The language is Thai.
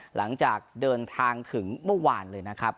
หลังจากเดินทางถึงเมื่อวานเลยนะครับ